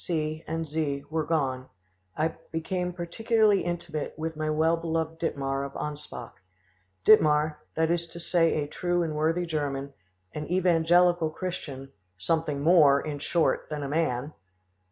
C., and Z., were gone, I became particularly intimate with my well beloved Dittmar of Anspach; Dittmar, that is to say a true and worthy German, an evangelical Christian, something more, in short, than a man!